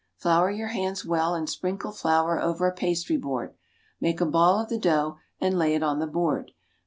Flour your hands well and sprinkle flour over a pastry board. Make a ball of the dough, and lay it on the board.